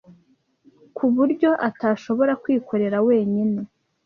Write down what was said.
ku buryo atashobora kwikorera wenyine.